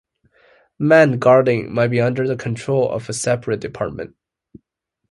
Manned guarding may be under the control of a separate department.